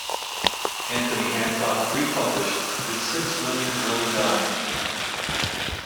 Anthony Hancock re-published Did Six Million Really Die?